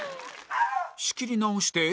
仕切り直して